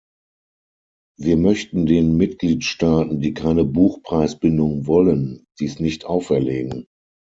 Wir möchten den Mitgliedstaaten, die keine Buchpreisbindung wollen, dies nicht auferlegen.